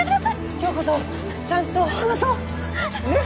今日こそちゃんと話そうねっ？